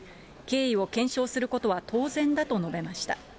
経緯を検証することは当然だと述べました。